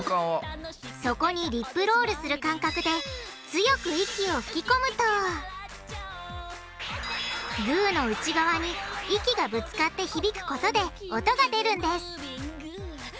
そこにリップロールする感覚で強く息を吹き込むとグーの内側に息がぶつかって響くことで音が出るんです